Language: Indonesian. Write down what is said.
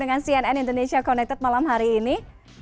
dengan cnn indonesia connected malam hari ini